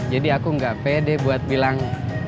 jadi aku gak pede buat bilang